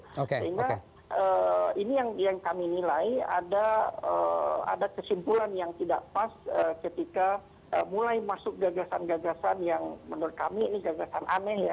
sehingga ini yang kami nilai ada kesimpulan yang tidak pas ketika mulai masuk gagasan gagasan yang menurut kami ini gagasan aneh ya